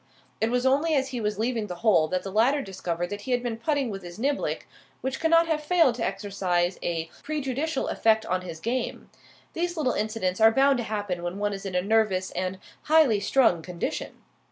It was only as he was leaving the hole that the latter discovered that he had been putting with his niblick, which cannot have failed to exercise a prejudicial effect on his game. These little incidents are bound to happen when one is in a nervous and highly strung condition.